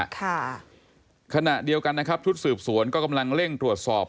ค่ะขณะเดียวกันนะครับชุดสืบสวนก็กำลังเร่งตรวจสอบ